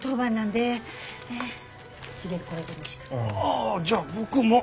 あじゃあ僕も。